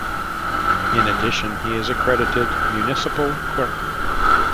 In addition, he is an Accredited Municipal Clerk.